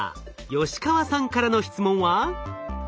吉川さんからの質問は？